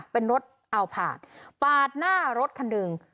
เป็นรถเอาผาดปาดหน้ารถคันหนึ่ง